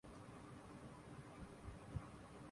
نئی سوچ کی ضرورت ہر شعبے میں تھی۔